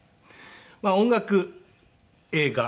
まあ音楽映画